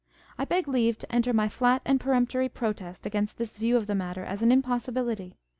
I beg leave to enter my flat and peremptory protest against this view of the matter, as an impossibility.